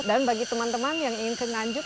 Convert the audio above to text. dan bagi teman teman yang ingin ke nganjuk